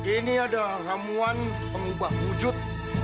ini ada ramuan pengubah wujud